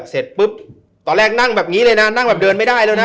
เสร็จปุ๊บตอนแรกนั่งแบบนี้เลยนะนั่งแบบเดินไม่ได้แล้วนะ